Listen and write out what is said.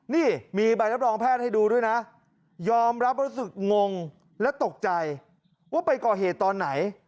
นี่มีใบรับรองแพทย์ให้ดูด้วยนะยอมรับรู้สึกงงและตกใจว่าไปก่อเหตุตอนไหน